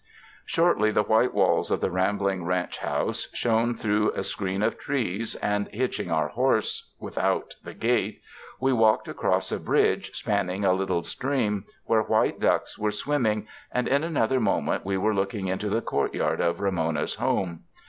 Shortly tlie white walls of the rambling ranch house shone through a screen of trees, and hitching our horse without the gate, we walked across a bridge spanning, a little stream where white ducks were swimming, and in another moment we were looking into the courtj^ard of Ramona's home.